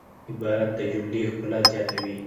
عبارت د جملې ښکلا زیاتوي.